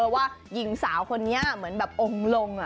ว่าหญิงสาวคนนี้เหมือนแบบองค์ลง